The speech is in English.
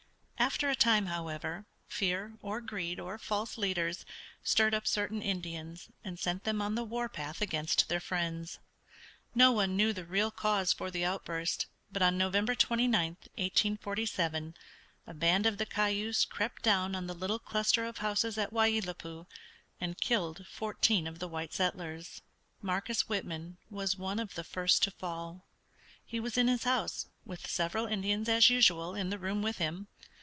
After a time, however, fear or greed or false leaders stirred up certain Indians and sent them on the war path against their friends. No one knew the real cause for the outburst, but on November 29, 1847, a band of the Cayuse crept down on the little cluster of houses at Wai i lat pui and killed fourteen of the white settlers. Marcus Whitman was one of the first to fall. He was in his house, with several Indians as usual in the room with him.